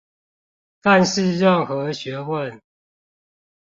但是任何學問